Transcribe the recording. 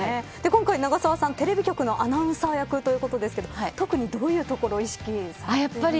今回、長澤さんテレビ局アナウンサー役ってことですが特にどういうところ意識されてますか。